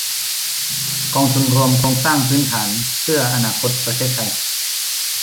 กองทุนรวมโครงสร้างพื้นฐานเพื่ออนาคตประเทศไทย